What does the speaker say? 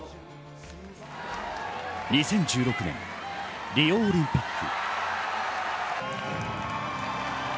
２０１６年リオオリンピック。